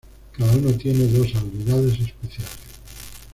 Cada uno tiene dos habilidades especiales.